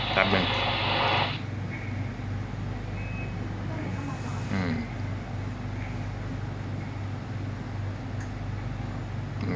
แป๊บหนึ่ง